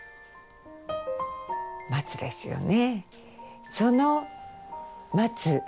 松ですよね。